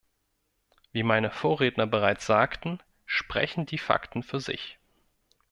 Wie meine Vorredner bereits sagten, sprechen die Fakten für sich.